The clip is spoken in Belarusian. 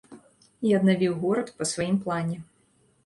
І аднавіў горад па сваім плане.